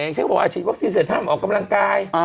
เช่นเขาบอกฉีดวัคซีนเสร็จห้ามออกกำลังกาย